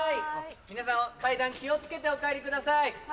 皆様階段気を付けてお帰りください。